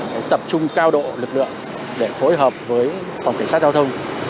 để tập trung cao độ lực lượng để phối hợp với phòng cảnh sát giao thông